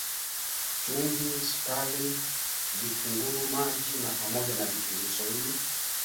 Ukungu mweupe kwenye konea ya jicho kupungua kwa uwezo wa kuona